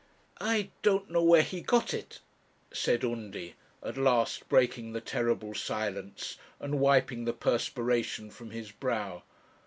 'I don't know where he got it,' said Undy, at last breaking the terrible silence, and wiping the perspiration from his brow.